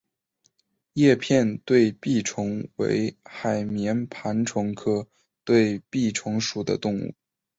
叶片对臂虫为海绵盘虫科对臂虫属的动物。